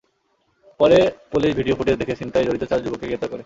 পরে police video footage দেখে ছিনতাইয়ে জড়িত চার যুবককে গ্রেপ্তার করে।